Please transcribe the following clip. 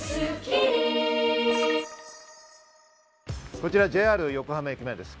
こちらＪＲ横浜駅前です。